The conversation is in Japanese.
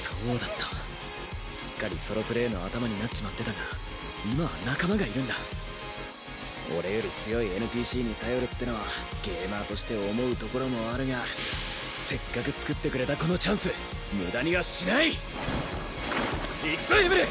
すっかりソロプレイの頭になっちまってたが俺より強い ＮＰＣ に頼るってのはゲーマーとして思うところもあるがせっかく作ってくれたこのチャンスいくぞエムル！